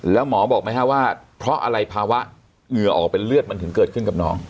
แล้วหมอบอกไหมครับว่าเพราะอะไรภาวะเหงื่อออกเป็นเลือดมันถึงเกิดขึ้นกับน้อง